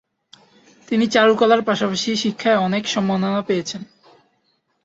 তিনি চারুকলার পাশাপাশি শিক্ষায় অনেক সম্মাননা পেয়েছেন।